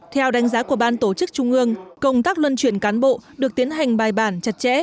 theo đánh giá của ban tổ chức trung ương công tác luân chuyển cán bộ được tiến hành bài bản chặt chẽ